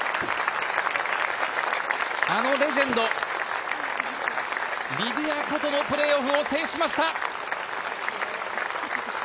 あのレジェンド、リディア・コとのプレーオフを制しました。